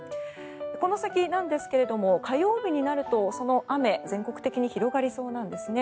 この先なんですが火曜日になるとその雨、全国的に広がりそうなんですね。